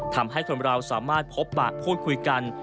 ทำให้คนเราสามารถพบปะพูดคุยกัน